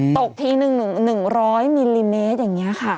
ตกที๑๐๐มิลลิเมตรอย่างนี้ค่ะ